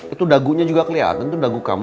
itu dagunya juga keliatan itu dagu kamu